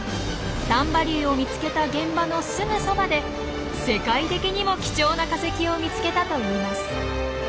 丹波竜を見つけた現場のすぐそばで世界的にも貴重な化石を見つけたといいます。